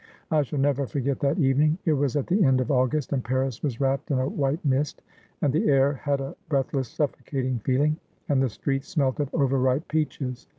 I shall never forget that evening. It was at the end of August, and Paris was wrapped in a white mist, and the air had a breathless, sufEocating feeling, and the streets smelt of over ripe peaches.